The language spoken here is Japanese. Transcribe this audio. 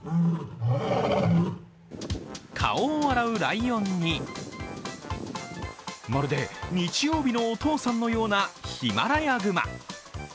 顔を洗うライオンにまるで日曜日のお父さんのようなヒマラヤグマ。